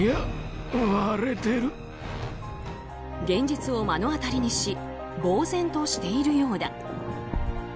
現実を目の当たりにし呆然としているようだ。